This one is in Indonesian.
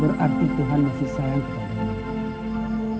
berarti tuhan masih sayang padamu